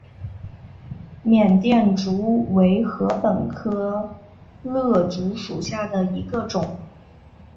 缅甸竹为禾本科簕竹属下的一个种。